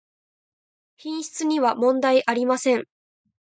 品質にはもんだいありません